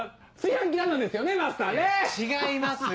違いますよ！